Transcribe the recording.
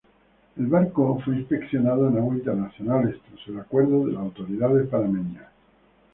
El barco fue inspeccionado en aguas internacionales, tras el acuerdo de las autoridades panameñas.